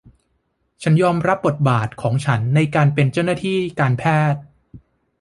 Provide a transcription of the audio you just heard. ฉันยอมรับบทบาทของฉันในการเป็นเจ้าหน้าที่การแพทย์